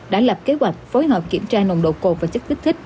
đã lập kế hoạch phối hợp kiểm tra nồng độ cồn và chất kích thích